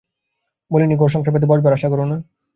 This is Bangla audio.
বলিনি ঘর সংসার পেতে বসবার আশা কোরো না?